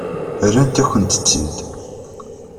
Rrant-akent-tt-id.